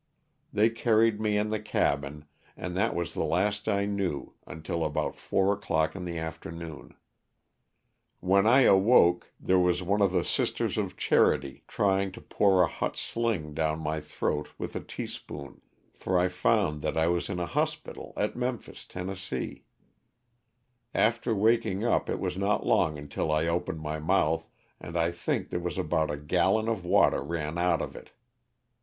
They carried me in the cabin, and that was the last I knew until about four o'clock in the afternoon. When I awoke there was one of the Sisters of Charity trying to pour a hot sling down my throat with a teaspoon, for I found that I was in a hospital at Mem LOSS OF THE SULTANA. 67 phis, Tenn. After waking up it was not long until I opened my mouth, and I think there was about a gallon of water ran out of it.